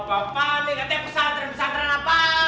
bapak dia kata pesantren pesantren apaan